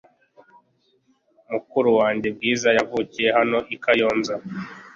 Mukuru wanjye Bwiza, yavukiye hano i kayonza